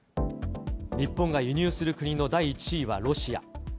日本が輸入する国の第１位はロシア。